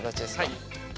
はい。